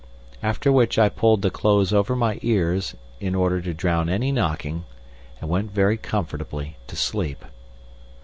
After which I pulled the clothes over my ears in order to drown any knocking, and went very comfortably to sleep.